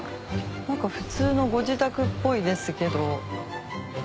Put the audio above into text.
何か普通のご自宅っぽいですけど。